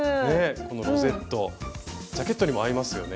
このロゼットジャケットにも合いますよね。